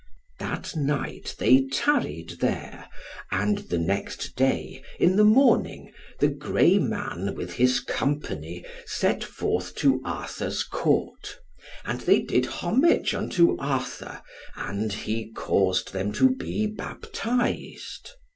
That night they tarried there. And the next day, in the morning, the grey man, with his company, set forth to Arthur's Court; and they did homage unto Arthur, and he caused them to be baptized.